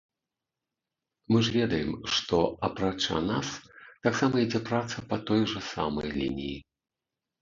Мы ж ведаем, што, апрача нас, таксама ідзе праца па той жа самай лініі.